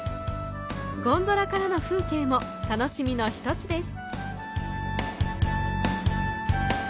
ゴンドラからの風景も楽しみの１つです。